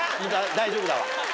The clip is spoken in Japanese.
大丈夫だわ。